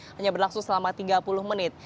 hanya berlangsung selama tiga puluh menit